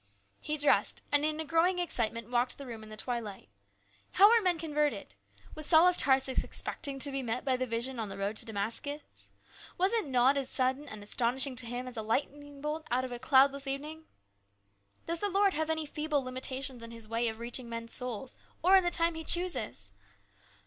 He dressed, and in a growing excitement walked the room in the twilight. How are men converted ? Was Saul of Tarsus expecting to be met by the vision on the road to Damascus ? Was it not as sudden and astonishing to him as a lightning bolt out of a cloudless evening ? Does the Lord have any feeble limitations in His way of reaching men's souls 7 98 HIS BROTHER'S KEEPER. or in the time He chooses